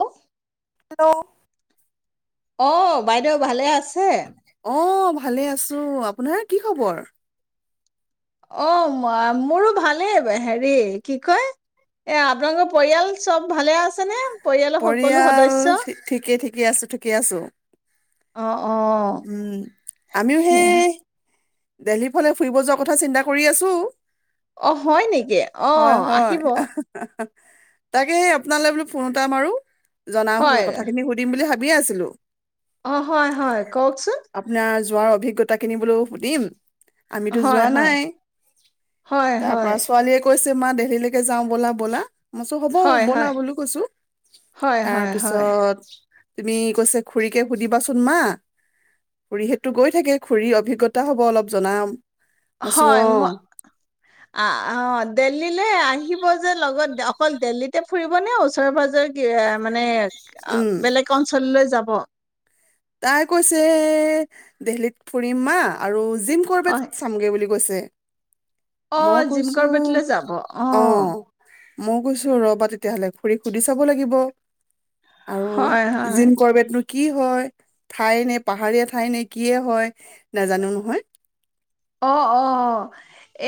Hello, hello, অহ ', বাইদেউ ভালে আছে? অ', ভালে আছো, আপোনাৰ কি খবৰ? অহ ', মোৰো ভালেই হেৰি কি কয় এ', আপোনালোকৰ পৰিয়াল চব ভালে আছেনে? পৰিয়ালৰ সকলো পৰিয়াল সদস্য ঠিকেই- ঠিকে আছো -ঠিকে আছো। অ অ উম', আমিও সেয়া সেই, দেলহিৰ ফালে ফুৰিব যোৱাৰ কথা চিন্তা কৰি আছো। অ', হয় নেকি? হয় অহ ', হয় আহিব। তাকে আপোনালৈ বোলো ফোন, [unintelligible] জনাওঁ বোলো হয় কথাখিনি সুধিম বুলি ভাবি, ভাবিয়ে আছিলো। অ', হয়- হয় কওকচোন? তোমাৰ অভিজ্ঞতা কিনি বোলো সুধিম? আমিতো হয় যোৱা হয় নাই হয় তাৰ হয় পৰা ছোৱালীয়ে কৈছে, তোমাৰ দেলহিলৈকে যাওঁ বলা-বলা? মই কৈছো হ'ব হয় ব'লা হয় বুলো কৈছো। হয় তাৰ হয় হয় পিছত, তুমি কৈছে খুৰিকে সুধিবাচোন মা, খুুৰীহেতটো গৈ থাকে খুৰী অভিজ্ঞতা হব অলপ জনাম। মইছো হয় অ ম, আঃ দেল্লী, লৈ আহিব যে লগত অকল দেল্লিতে ফুৰিব নে ওচৰে -পাজৰে কি, মানে উম বেলেগ অঞ্চললৈ যাব? তাই কৈছে, দেলহিত ফুৰিম মা আৰু, জিম কৰিব হয় চামগে বুলি গৈছে অ জিম কৰ বেটলে যাব অ আহ মই কৈছোঁ ৰবা তেতিয়াহ'লে খুৰীক সুধি চাব লাগিব হয়, আৰু হয়, জিম কৰবাতনো কি হয় ঠাই নে পাহাৰীয়া ঠাই নে কিয়ে হয় নেজানো নহয় অ অ অ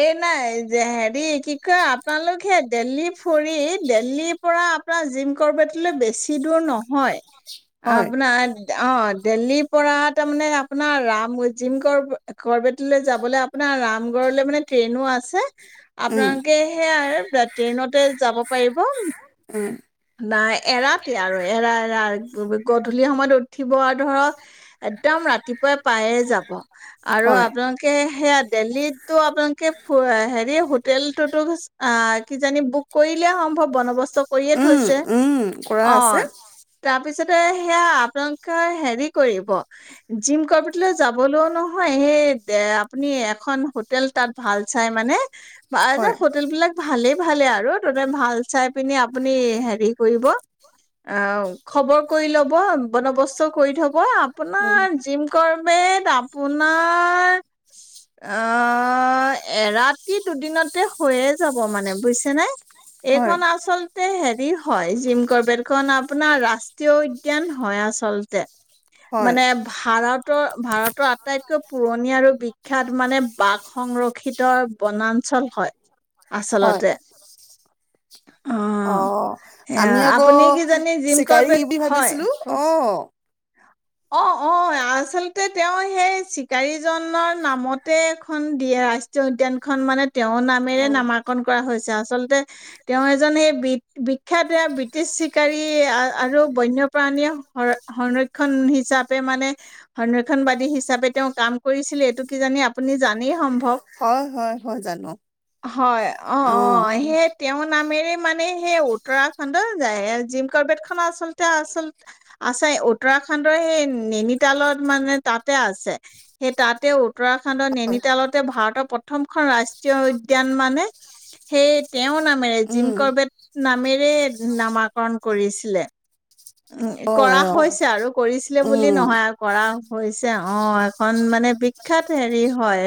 এই নাই যে হেৰি কি কয় আপোনালোক হেত দেলহি ফুৰি দেলহিৰ পৰা আপোনাৰ জিম কৰবটলৈ বেছি দূৰ নহয় হয় আপোনাৰ অ দেলহিৰ পৰা তাৰমানে আপোনাৰ ৰাম মজিম কৰ কৰবেটীলৈ যাব বোলে আপোনাৰ ৰামগড়লৈ মানে ট্ৰেইনো আছে উম আপোনালোকে সে আৰু ট্ৰেইনতে যাব পাৰিব উম নাই এৰাতে আৰু এৰা এৰা গধূলি সময়ত উঠিব আৰু ধৰক একদম ৰাতিপুৱাই পায়ে যাব আৰু হয় আপোনালোকে সেয়া দেলহিতটো আপোনালোকে হেৰি হোটেল টোতো অ কিজানি বুক কৰিলে সম্ভৱ বন্দবস্ত বন্দবস্ত টো কৰিয়ে উম থৈছে উম অ কৰা আছে তাৰপিছতে সেয়া আপোনালোকে হেৰি কৰিব জিম কৰপেটলৈ যাবলৈ ও নহয় সেই এ আপুনি এখন হোটেল তাত ভাল চাই মানে বা এটা হয় হোটেল বিলাক ভালেই ভালে আৰু ততে ভাল চাই পিনি আপুনি হে কৰিব অ খবৰ কৰি লব বন্দবস্ত কৰি থব মই উম আপোনাৰ জিম কৰ ব আপোনাৰ আহ এৰাতি দুদিনতে হৈয়ে যাব মানে বুয়িছে নে হয় এইখন আচল ই হয় জিম কৰবেট খন আপোনাৰ ৰাষ্ট্ৰীয় উদ্যান হয় আচলতে হয় মানে ভাৰতৰ ভাৰতৰ আটাইতকৈ কৈ পুৰণি আৰু বিখ্যাত মানে বাঘ সংৰক্ষিত বনাঞ্চল হয় হয় আচলতে অ এ আমি আকৌ আপুনি কিজানি জিম চিকাৰী কৰ্বেট বুলি হয় ভাবিছিলো কওকচোন অ অ অ আচলতে তেওঁ সেই চিকাৰীজনৰ নামতে এখন দিয়ে ৰাষ্ট্ৰীয় উদ্যান খন মানে তেওঁৰ নামেৰে অ নামাকৰণ কৰা হৈছে আচ আচলতে তেওঁ এজন সেই বি বিখ্যাত ব্ৰিটিছ চিকাৰী আৰু বন্যপ্ৰাণীয়ে সংৰক্ষ সংৰক্ষণ হিচাপে মানে সংৰক্ষণ বাদী হিচাপে তেওঁ কাম কৰিছিলে এইটো কি জানি আপুনি জানেই সম্ভৱ হয় হয় হয় জানো হয় অ অ সেই তেওঁৰ নামেৰে মানে সেই উত্তৰাখণ্ডত যায়ে জিম কাৰ্বেটখন আচলতে আচলতে আছে অত উত্তৰাখণ্ডৰ সেই নেনিতালত মানে তাতে আছে সেই তাতে উত্তৰাখণ্ডৰ হয় নেনতালতে ভাৰতৰ প্ৰথমখন ৰাষ্ট্ৰীয় উদ্যান মানে সেই তেওঁৰ নামেৰে জিম উম কৰ্বেট নামেৰে নামাকৰণ কৰিছিলে উম হয় কৰা অ হৈছে আৰু কৰিছিলে বুলি উম নহয় আৰু কৰা হৈছে অ অ এখন মানে বিখ্যাত হেৰি হয়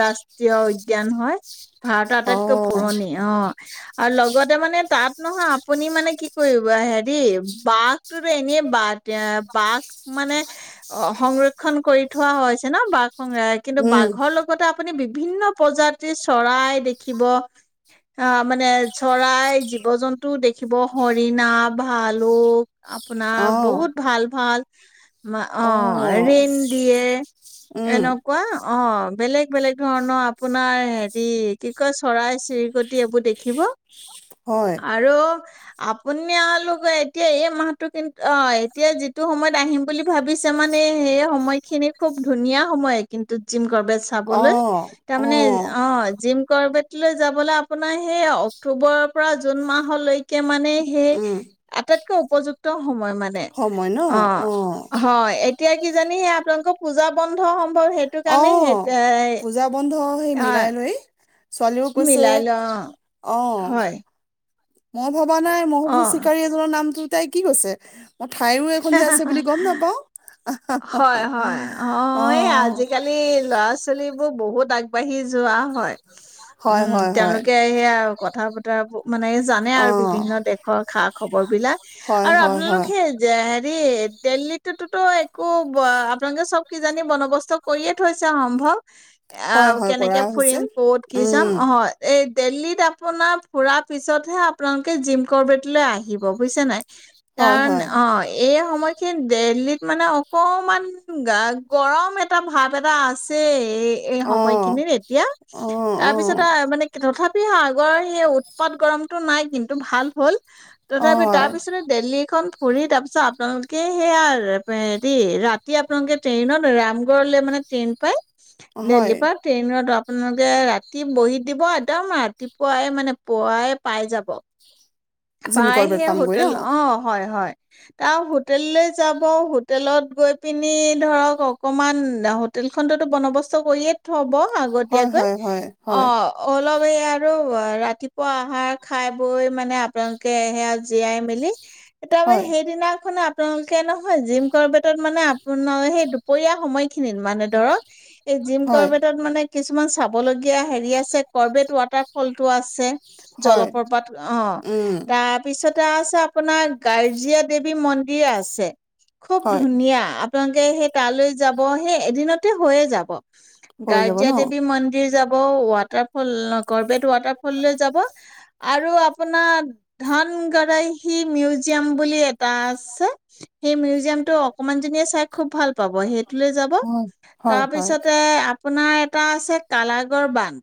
ৰাষ্ট্ৰীয় উদ্যান হয় ভাৰতৰ অ আটাইতকৈ পুৰণি অ আৰু লগ তে মানে তাত নহয় আপুনি মানে কি কৰিব হেৰি বাঘটোতো এনেই বাঘ বাঘ মানে অ সংৰক্ষন কৰি থোৱা হৈছে ন বাঘ সংৰ কিন্তু উম বাঘৰ লগতে আপুনি বিভিন্ন প্ৰজাতিৰ চৰাই দেখিব আহ মানে চৰাই জীৱ জন্তুও দেখিব হৰিণা ভা লুক আ অ আপোনাৰ বহুত ভাল ভাল মা অ ৰিণ দিয়ে উম এনেকোৱা অ বেলেগ বেলেগ ধৰণৰ আপোনাৰ হেৰি কি কয় চৰাই চিৰিকটি এইবোৰ দেখিব হয় আৰু আপুনি আ লোগে এতিয়া এই মাহটো কিন্তু অ এতিয়া যিটো সময়ত আহিম বুলি ভাবিছে মানে সেই সময়খিনি খুব ধুনীয়া সময় কিন্তু জিম বাবে অ চাবলৈ অ তাৰমানে অ জিম কৰবেটীলৈ যাবলৈ আপোনাৰ সেইয়া অক্টোবৰৰ পৰা জুন মাহলৈকে কে মানে সেই উম উপযুক্ত সময় মানে সময় ন অ হয় এতিয়া কি জানি সে আপোনালোকৰ পূজা বন সম্ভৱ সেইটো অ কাৰণে সেই পূজা বন্ধ অ মিলাই লৈয় ছোৱালীও কৈছে মিলাই ল অ হয় ম ভবা নাই মহ চিকাৰী এজনৰ নামটো তাই কি কৈছে মই ঠাইৰো এইখন যে আছে অ বুলি গম নাপাও হয় হয় অ আজিকালি ল'ৰা ছোৱালী বহুত আগবাঢ়ি য যোৱা হয় হয় উম হয় হয় তেওঁলোকে সেয়া কথা বতৰাবোৰ মানে জানে অ আৰু বিভিন্ন দেশৰ খষ খবৰ বিলাক হয় আৰু হয় হয় আপোনালোকে যে দ দিল্লীতোতো আো আপোনালোকে চব কিজানি বন্দবস্ত কৰিয়ে থৈছে সম্ভৱ হয় আহ হয় কেনেকে কৰা হৈছে ফুৰিম কত কি চাম উম অ এই দেল্লীত আপোনাৰ ফুৰা পিছতহে আপোনালোকে জিম কবেটীলৈ আহিব বুজিছে নাই হয় কাৰণ হয় অ এই সময় দিল্হীত মানে অকমান গা গৰম এটা ভাৱ এটা আছে এই এই অ সময়খিনিৰ এতিয়া অ অ তাৰপিছত মানে তথাপি আাগৰ সেই উৎপাত গৰমতটো নাই কিন্তু ভাল হ'ল অ তথাপি তাৰ পিছতে দেল্লী খন ফৰি তাৰ পিছত আপোনালোকে সেয়া দেই ৰাতি আপোনালোকে ট্ৰেইনত ৰামগড়লে মানে ট্ৰেইন পায় হয় দেল্হীৰ পৰা ট্ৰেইনত তপোনালোকে ৰাতি বহি দিব একদম ৰাতিপুৱাই মানে পুৱাই পাই যাব জিম প্ৰায় কৰবেট সে পামগৈ ন হোটেল অ হয় হয় তাৰ হোটেললৈ যাবো হোটেলত গৈ পিনি ধৰক অকণমান হোটেলখনটোতো বন্দবস্ত কৰিয়ে থ'ব হয় আগতীয়াকৈ হয় হয় অ হয় অলপ এই আৰু ৰাতিপুৱা আহাৰ খাই বৈ মানে আপোনালোকে সেয়া জীয়াই মেলি এতিাৰপ হয় সেইদিনাখননে তেওঁলোকে নহয় জিম কৰবেতত মানে আপোনাৰ সেই দুপৰীয়া সময় খিনিত মানে ধৰক এই জিম হয় কৰবেটত মানে কিছুমান চাবলগীয়া হেৰি আছে কৰ্বেত ৱাটাৰ ফল টো আছে হয় জলপ্ৰপাত অ উম তাৰপিছত এটা আছে আপোনাৰ গাৰ্জিয়া দেৱী মন্দিৰ আছে খুব হয় ধুনীয়া আ আপোনালোকে সেই তালৈ যাব সেই এদিনতে হৈয়ে যাব হৈ যাব গাৰ্জা ন দেৱী মন্দিৰ যাব ৱাটাৰ ফল গৰবেত ৱাটাৰ ফল লৈ যাব আৰু আপোনাৰ ধন গৰাহি মিউজিয়াম বুলি এটা আছে স মিল মিউজিয়ামটো অকমান জনীয়ে চাই খুব ভাল পাব সেইটো লৈ যাব হয় হয় হয় তাৰপিছতে আপোনাৰ এটা আছে কালাগৰ বান্ধ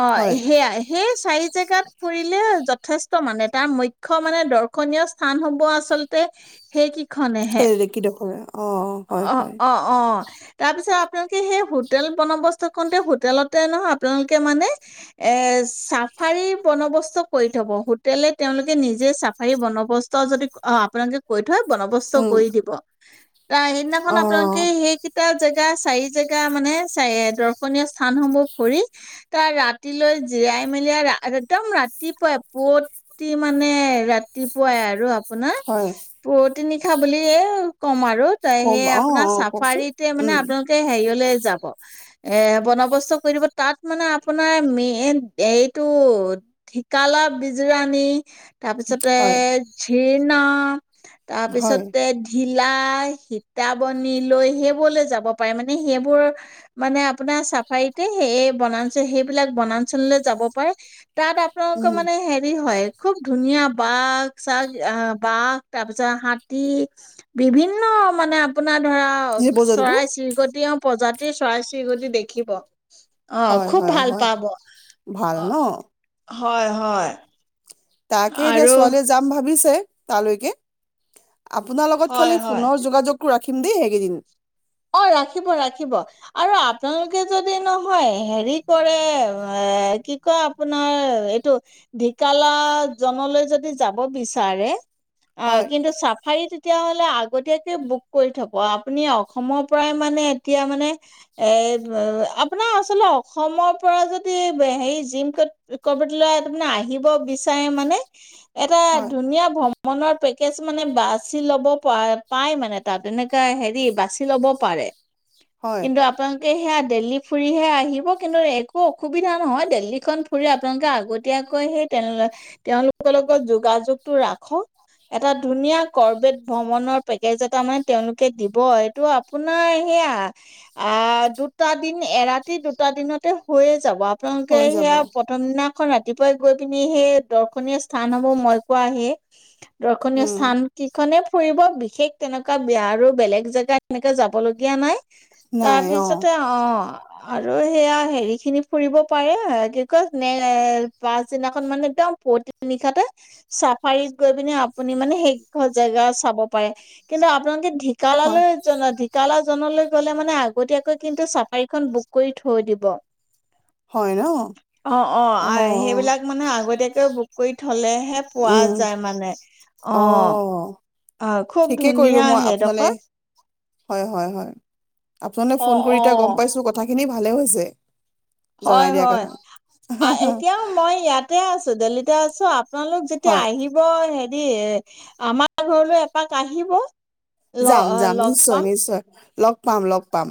অ হয় সেয়া সেই চাৰি জেগাত ফুৰিলে যথেষ্ট মানে তাৰ মুখ্য মানে দৰ্শনীয় স্থান হ'ব আচলতে সেইকেইখন সেই কি দেখো অ অ হয় হয় অ', অ', তাৰপিছত আপোনাৰ সেই হোটেল বনবস্ত কৰোঁতে হোটেলতে নহয় আপোনালোকে মানে এ চাফাৰী বন্দবস্ত কৰি থব হোটেলে তেওঁলোকে নিজে চাফাৰী বন্দবস্ত যদি অ আপোনালোকে কৈ থয় বনবস্ত উম কৰি দিব আহ সেইদিনাখন অ আপোনালোকে সেইকেইটা জে জা চাৰি জেগা মানে চ দৰ্শনীয় স্থানসমূহ ভৰি তাৰ ৰাতিলৈ জিৰাই মেলি একদম ৰাতিপুৱাই পুৱতি মানে ৰাতিপুৱাই আৰু আপোনাৰ হয় পুৱতি পুৱতি নিশাতে নিশা বুলি এ কম আৰু আৰু ত কম সেই অ আপোনাৰ অ কওকচোন চাফাৰীতে মানে উম আপোনালোকে হেৰিয়লে যাব এ বন্দবস্ত কৰি দিব তাত মানে আপোনাৰ মেইন এইটো ঢিকালা বিজৰাণী হয় তাৰপিছতে না তাৰপিছত হয় তে ঢিল কলাই সীতাবনী লৈ সেইবোৰলৈ যাব পাৰে মানে সেইবোৰ মানে আপোনাৰ চাফাৰীতে সেই বনাঞ্চল সেইবিলাক বনাঞ্চললৈ যাব পাৰে তাত আপোনালোকৰ উম মানে হেৰি হয় খুব ধুনীয়া বাঘ চাঘ আহ বাঘ তাৰপিছত হাত তী বিভিন্ন মানে আপোনাৰ আপোনাৰ ধৰা জীৱ জন্তু চৰাই চিৰিকটি প্ৰজাতিৰ চৰাই চিৰিকতি দেখিব অ হয় খুব হয় ভাল হয় পাব ভাল অ ন হয় হয় তাকে এতিয়া আৰু ছোৱালীয়ে যাম ভাবিছে তালৈকে আপোনাৰ লগত হয় খালি হয় ফোনৰ যোগাযোগটো ৰাখ খিম দেই সেইকেইদিন অ ৰাখিব ৰাখিব আৰু আপোনালোকে যদি নহয় হেৰি কৰে এ কি কয় আপোনাৰ এইটো ঢিকালা জনলৈ যদি যাব বিচাৰে অ হয়, কিন্তু চাফাৰিত তেতিয়াহ'লে আগতীয়াকে বুক কৰি থব আপুনি অক অসমৰ পৰাই মানে এতিয়া মানে এ আপোনাৰ আচলতে অসমৰ পৰা যদি হেৰি জিম কৰ্বটলৈ তাৰে আহিব বিচাৰে মানে এটা হয়, ধুনীয়া ভ্ৰম মনৰ পেকেজ মানে বাছি ল'ব প পাই মানে তাত এনেকা হেৰি বাছ ল'ব পাৰে হয়, কিন্তু আপোনালোক সেয়া দিল্লী ফুৰিহে আহিব কিন্তু একো অসুবিধা নহয় দিল্লী খন ফুৰি আপোনালোকে আগতয়াকৈ সেই তেওঁলোকৰ লগত যোগাযোগ টো ৰাখক এটা ধুনীয়া কৰ্বেট ভ্ৰমনৰ পেকেজ এটা মানে তেওঁলোকে দিব টো আপোনাৰ সেয়া আ দুটা দিন এৰাতি দুটা দিনতে হৈয়ে যাব আপোনালোকে হৈ যাব। সেয়া প্ৰথম দিনা খন ৰাতিপুৱাই গৈ পিনি সেই দৰ্শনীয় স্থানসমূহ মই পোৱা আহে দৰ্শনীয় উম, স্থান কিখনে ফুৰিব বিশেষ তেনেকুৱা বয়া আৰু বেলেগ জেগাত এনেকে যাব লগীয়া নাই তাৰপিছতে অ আৰু সেয়া হেৰি খিনি ফুৰিব পাৰে কি কয় পাছদিনাখন মানে একদম পুৱতি নিশাতে চাফাৰীত গৈ পিনে আপুনি মানে সেই জেগা চাব পাৰে কিন্তু আপোনালোকে হয়, ঢিকালালৈ ঢেকাল জনলৈ গলে মানে আগতীয়াকৈ কিন্তু চাফাৰীখন বুক কৰি থৈ দিব হয় ন? অ অ অ', সেইবিলাক মানে আগতীয়াকে বুক কৰি থলেহে পোৱা উম, যায় মানে অ অ খুব ঠিকে কৰিলোঁ ধুনীয়া মই আপোনালে হেডোখৰ হয়, হয়, হয়। আপোনালে ফোন অ' কৰি এতিয়া গম অ'। পাইছো কথা খিনি ভাল ভালে হৈছে। জনাই হয়, দিয়াৰ হয় কাৰণে। এতিয়াও মই ইয়াতে আছ দলিতো আছ। আপোনালোক যেতিয়া হয়, আহিব সে এ আমাৰ ঘৰলৈ এপাক আহিব। ল যাম, যাম লগ নিশ্চয়, পাম নিশ্চয়। লগ পাম, লগ পাম।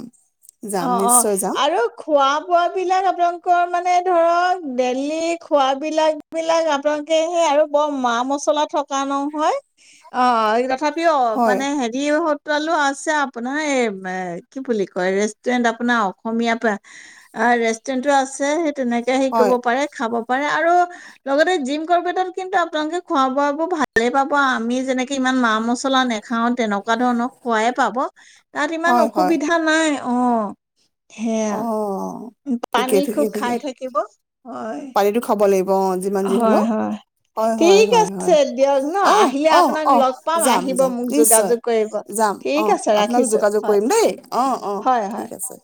যাম অ', অ', নিশ্চয় যাম। আৰু খোৱা বোৱ বিলাক আপোনাল মানে ধৰক দেলি খোৱাবলাক বিলাক আপোনালোকে সেই আৰু বৰ মা-মছলা থকা নহয় অ'। তথাপিও হয়, মানে হেৰিও লো আছে আপোনাৰ এই কি বুলি কয় ৰে ৰেষ্টটুৰেণ্ট আপোনাৰ অসমীয়া ৰেষ্টুৰেণ্টটো আছে। তেনেকে হে ক'ব হয়। পাৰে খাব পাৰে আৰু লগতে জিম কৰটাত কিন্তু আপোনালোকে খোৱা বোৱ বোৰ ভালে পাব আমি যেনেকে ইমান মা-মছল পচলা নখাওন তেনেকুৱা ধৰণৰ খোৱাই পাব তাত ইমান হয় হয় অসুবিধা নাই। অ'। সেয়া অ'। ঠিকে পানী খুব ঠিকে খাই ঠিকে থাকিব হয়। পানীটো খাব লাগিব অ', যিমান যি হয়, হলেও হয়। হয়, হয়, ঠিক হয়, আছে হয় দিয়ক ন অ' আহিলে অ', আপোনাক অ', লগ পাম যাম, আহিব যাম মোক নিশ্চয় যোগাযোগ কৰিব যাম ঠিক অ', আছে আপোনাক ৰাখিছোঁ যোগাযোগ হয় কৰিম দেই অ', অ', হয় ঠিক হয় আছে।